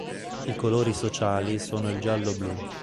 I colori sociali sono il giallo-blu.